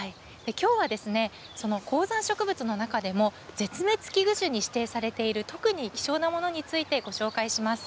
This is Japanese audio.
きょうはその高山植物の中でも、絶滅危惧種に指定されている、特に貴重なものについてご紹介します。